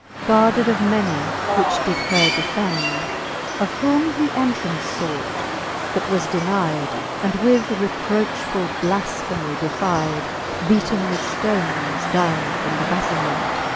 Guarded of many, which did her defend ; Of whom he entraunce fought, but was denide. And with reprochfuU blafphemy defide. Beaten with ftones downe from the battilment.